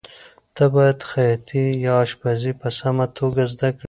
ته باید خیاطي یا اشپزي په سمه توګه زده کړې.